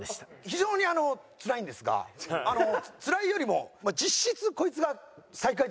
非常にあのつらいんですがつらいよりも実質こいつが最下位だと思ってるので。